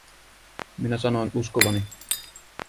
Minä sanoin uskovani.